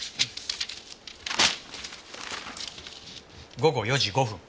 午後４時５分。